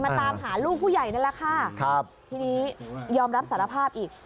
ตามหาลูกผู้ใหญ่นั่นแหละค่ะครับทีนี้ยอมรับสารภาพอีก